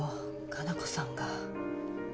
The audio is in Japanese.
加奈子さんが。